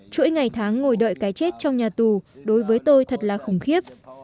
chuỗi ngày tháng ngồi đợi cái chết trong nhà tù đối với tôi thật là khủng khiếp